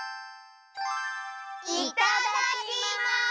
いただきます！